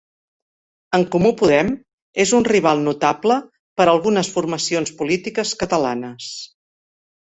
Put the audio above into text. En Comú Podem és un rival notable per a algunes formacions polítiques catalanes.